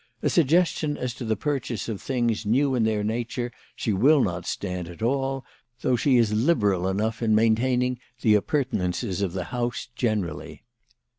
A suggestion as to the purchase of things new in their nature she will not stand at all, though she is liberal enough in maintaining the appur tenances of the house generally.